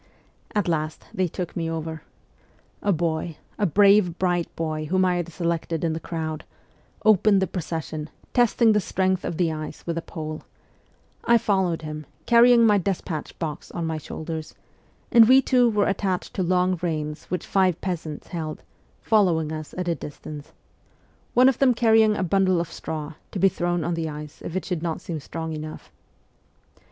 At last they took me over. A boy a brave, bright boy whom I had selected in the crowd opened the procession, testing the strength of the ice with a pole ; I followed him, carrying my despatch box on my shoulders, and we two were attached to long reins which five peasants held, following us at a distance one of them carrying a bundle of straw, to be thrown on the ice if it should not seem strong enough.